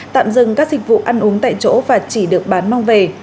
tạm dừng các dịch vụ ăn uống tại chỗ và chỉ được bán mang về